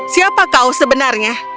siapa kau sebenarnya